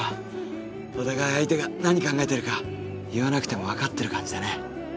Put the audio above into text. お互い相手が何考えてるか言わなくても分かってる感じだね。